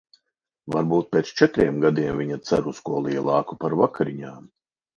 Varbūt pēc četriem gadiem viņa cer uz ko lielāku par vakariņām?